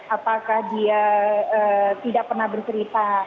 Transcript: apakah dia tidak pernah bercerita